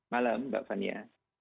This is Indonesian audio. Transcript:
malam mbak fania